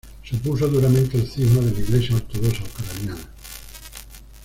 Se opuso duramente al cisma de la iglesia ortodoxa ucraniana.